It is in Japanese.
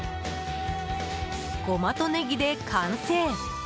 ゴマとねぎで完成。